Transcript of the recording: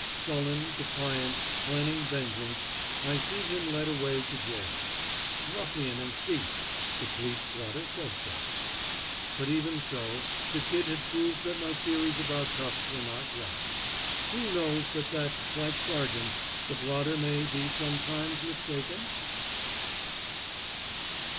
Sullen, defiant, planning vengeance, I see him led away to jail. Ruffian and thief! The police blotter said so. But, even so, the Kid had proved that my theories about toughs were not rot. Who knows but that, like sergeants, the blotter may be sometimes mistaken?